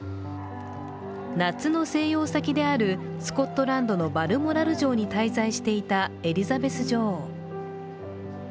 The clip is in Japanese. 夏の静養先であるスコットランドのバルモラル城に滞在していたエリザベス女王。